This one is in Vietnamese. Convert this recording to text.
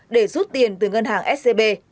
để rút tiền từ ngân hàng scb